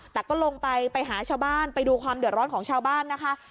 แต่ก็ลงไปไปหาชาวบ้านไปดูความเดือดร้อนของชาวบ้านนะคะ